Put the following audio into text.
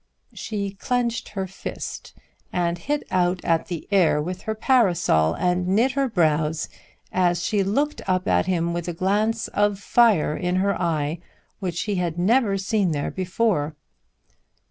She clenched her fist, and hit out at the air with her parasol, and knit her brows as she looked up at him with a glance of fire in her eye which he had never seen there before.